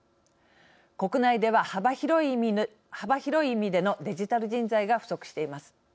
国内では、幅広い意味でのデジタル人材が不足しています。